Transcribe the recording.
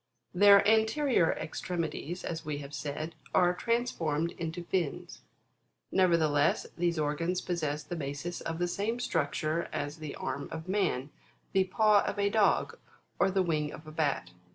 '22. Their anterior extremities, as we have said, are trans formed into fins : nevertheless, these organs possess the basis of the same structure as the arm of man, the paw of a dog, or the wing of a bat.